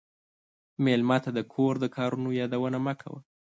مېلمه ته د کور د کارونو یادونه مه کوه.